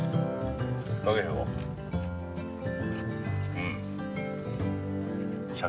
うん。